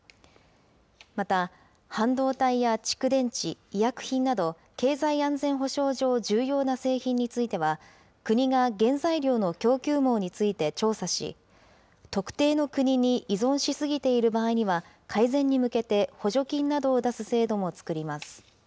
また、半導体や蓄電池、医薬品など、経済安全保障上、重要な製品については、国が原材料の供給網について調査し、特定の国に依存し過ぎている場合には、改善に向けて補助金などを出す制度も作ります。